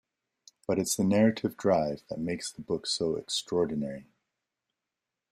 But it's the narrative drive that makes the book so extraordinary.